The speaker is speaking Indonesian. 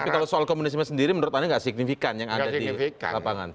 tapi kalau soal komunisme sendiri menurut anda tidak signifikan yang ada di lapangan